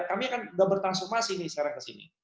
kami kan gak bertanggung jawab sini sekarang kesini